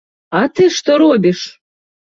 А ты што робіш!